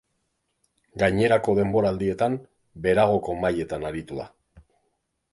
Gainerako denboraldietan, beheragoko mailetan aritu da.